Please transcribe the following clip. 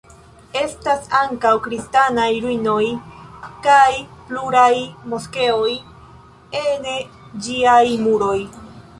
Estas ankaŭ kristanaj ruinoj kaj pluraj moskeoj ene ĝiaj muroj.